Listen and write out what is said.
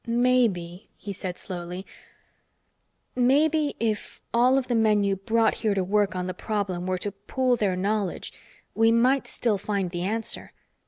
"Maybe," he said slowly. "Maybe, if all of the men you brought here to work on the problem were to pool their knowledge, we might still find the answer.